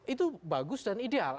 itu bagus dan ideal